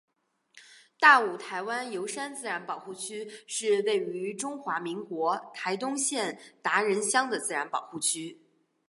大武台湾油杉自然保护区是位于中华民国台东县达仁乡的自然保护区。